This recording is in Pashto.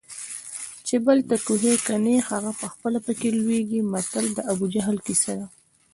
چې بل ته کوهي کني هغه پخپله پکې لویږي متل د ابوجهل کیسه ده